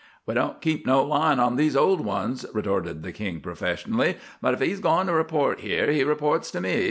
"We don't keep no line on these old ones," retorted the "King" professionally. "But if he's goin' to report here he reports to me.